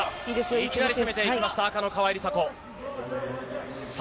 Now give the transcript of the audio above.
いきなり攻めていきました赤の川井梨紗子。